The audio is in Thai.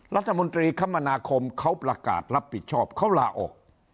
รัฐมนตรีคมนาคมเขาประกาศรับผิดชอบเขาลาออก